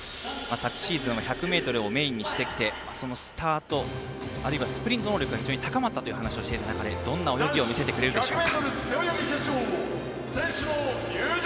昨シーズンは１００ｍをメインにしてきてそのスタート、あるいはスプリント能力が非常に高まったという話をしている中でどんな泳ぎを見せてくれるでしょうか。